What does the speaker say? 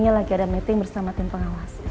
lagi ada meeting bersama tim pengawas